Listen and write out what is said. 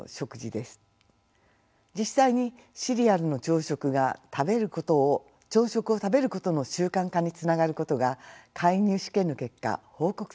実際にシリアルの朝食が朝食を食べることの習慣化につながることが介入試験の結果報告されています。